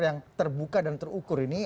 yang terbuka dan terukur ini